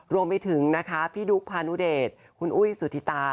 รวมไปถึงนะคะพี่ดุ๊กพานุเดชคุณอุ้ยสุธิตา